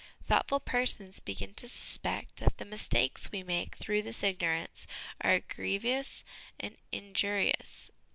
Thoughtful persons begin to suspect that the mistakes we make through this ignorance are grievous and injurious.